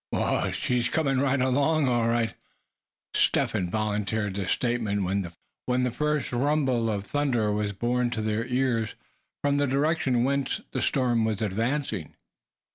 "Whoo! she's coming right along, all right." Step Hen volunteered this statement, when the first rumble of thunder was borne to their ears from the direction whence the storm was advancing.